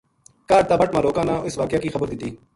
کاہڈ تابٹ ما لوکاں نا اس واقعہ کی خبر دِتی